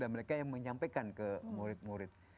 dan mereka yang menyampaikan ke murid murid